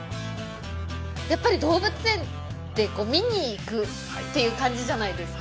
やっぱり動物園ってこう見に行くっていう感じじゃないですか